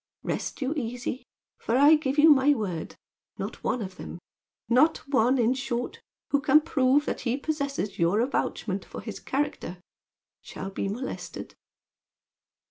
Rest you easy, for I give you my word, not one of them not one, in short, who can prove that he possesses your avouchment for his character shall be molested."